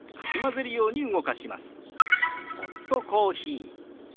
「ホットコーヒー」。